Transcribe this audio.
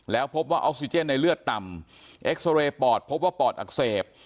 แล้วพบว่าออกซิเจนในเลือดต่ำเอ็กซอเรย์ปอดพบว่าปอดอักเสบ